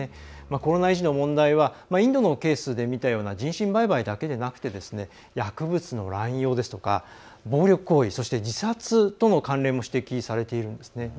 コロナ遺児の問題はインドのケースで見たような人身売買だけではなくて薬物の乱用ですとか暴力行為そして自殺との関連も指摘されているんですね。